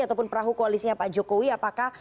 ataupun perahu koalisnya pak jokowi apakah